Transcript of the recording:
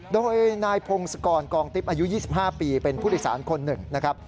โดยนายพงศกรกองติ๊บอายุ๒๕ปีเป็นผู้โดยสารคนหนึ่งนะครับ